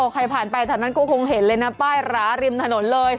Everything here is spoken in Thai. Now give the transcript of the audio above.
ใครผ่านไปแถวนั้นก็คงเห็นเลยนะป้ายหราริมถนนเลย